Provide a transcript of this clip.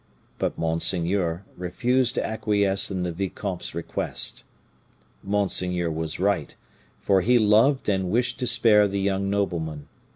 But monseigneur refused to acquiesce in the vicomte's request. Monseigneur was right, for he loved and wished to spare the young nobleman.